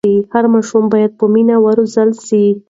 هر ماشوم باید په مینه وروزل سي.